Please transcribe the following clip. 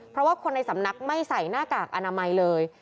เพราะว่าคนในสำนักไม่ใส่หน้ากากอนามัยเลย